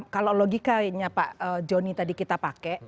kalau logikanya pak joni tadi kita pakai